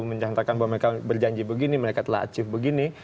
mencatakan bahwa mereka berjanji begini mereka telah achieve begini